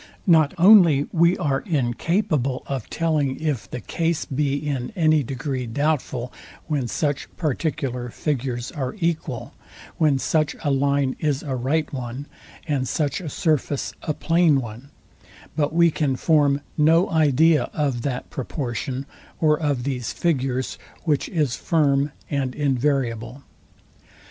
Not only we are incapable of telling, if the case be in any degree doubtful, when such particular figures are equal; when such a line is a right one, and such a surface a plain one; but we can form no idea of that proportion, or of these figures, which is firm and invariable.